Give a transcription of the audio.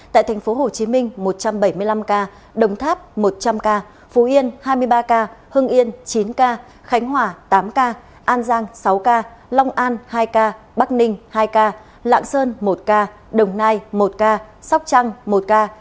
tại tp hcm một trăm bảy mươi năm ca đồng tháp một trăm linh ca phú yên hai mươi ba ca hưng yên chín ca khánh hòa tám ca an giang sáu ca long an hai ca bắc ninh hai ca lạng sơn một ca đồng nai một ca sóc trăng một ca